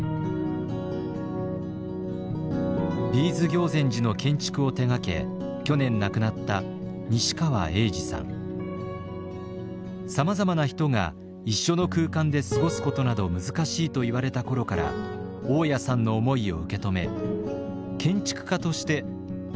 Ｂ’ｓ行善寺の建築を手がけ去年亡くなったさまざまな人が一緒の空間で過ごすことなど難しいと言われた頃から雄谷さんの思いを受け止め建築家として「ごちゃまぜ」の器を実現してくれました。